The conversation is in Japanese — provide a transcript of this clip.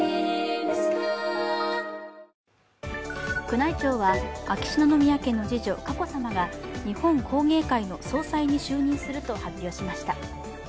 宮内庁は秋篠宮家の次女・佳子さまが日本工芸会の総裁に就任すると発表しました。